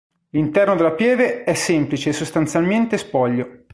L'interno della pieve è semplice e sostanzialmente spoglio.